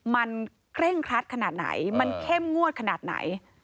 มันเคร่งครัดขนาดไหนมันเข้มงวดขนาดไหน